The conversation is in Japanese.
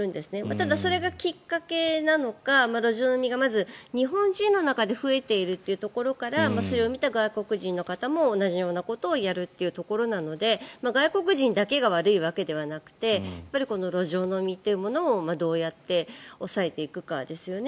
ただ、それがきっかけなのか路上飲みがまず日本人の中で増えているというところからそれを見た外国人の方も同じようなことをやるというところなので外国人だけが悪いわけではなくて路上飲みというものをどうやって抑えていくかですよね。